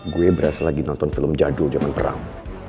gue berasa lagi nonton film jadul zaman perang